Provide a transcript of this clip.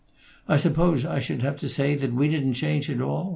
I suppose I should have to say that we didn't change at all.